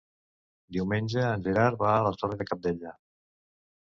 Diumenge en Gerard va a la Torre de Cabdella.